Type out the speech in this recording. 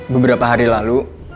beberapa hari lalu